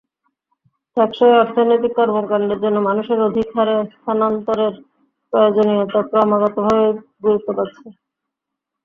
টেকসই অর্থনৈতিক কর্মকাণ্ডের জন্য মানুষের অধিক হারে স্থানান্তরের প্রয়োজনীয়তা ক্রমাগতভাবেই গুরুত্ব পাচ্ছে।